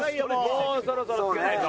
もうそろそろつけないと。